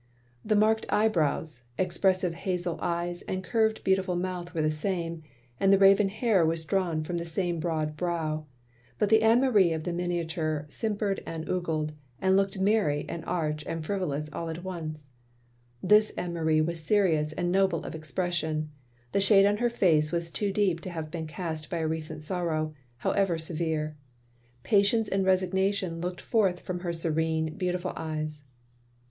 The marked eyebrows, expressive hazel eyes, and curved beautiful mouth were the same, and the raven hair was drawn from the same broad brow. But the Anne Marie of the miniature simpered and ogled, and looked merry and arch and frivolous all at once. This Anne Marie was serious and noble of expression; the shade on her face was too deep to have been cast by a recent sorrow, however severe. Patience and resignation looked forth from her serene, beautiful eyes.